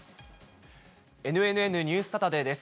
ＮＮＮニュースサタデーです。